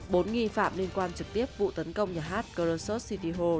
bốn nghi phạm liên quan trực tiếp vụ tấn công nhà hát karosot city hall